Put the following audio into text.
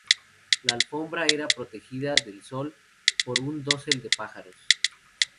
La alfombra era protegida del sol por un dosel de pájaros.